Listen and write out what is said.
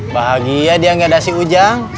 bahagia dia gak ada si ujang